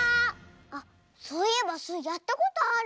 あっそういえばスイやったことある。